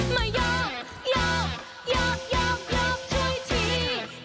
มายอบยอบยอบยอบยอบช่วยที